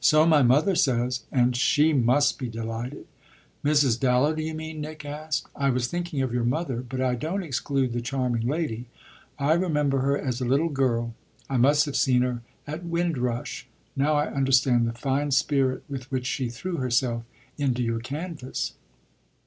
"So my mother says." "And she must be delighted." "Mrs. Dallow, do you mean?" Nick asked. "I was thinking of your mother. But I don't exclude the charming lady. I remember her as a little girl. I must have seen her at Windrush. Now I understand the fine spirit with which she threw herself into your canvass."